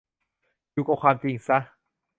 อยู่กับความจริงซะ